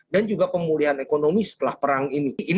dan juga pemulihan ekonomi setelah perang ini